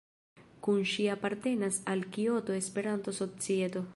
Nun ŝi apartenas al Kioto-Esperanto-Societo.